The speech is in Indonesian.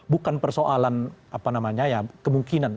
bukan persoalan apa namanya ya kemungkinan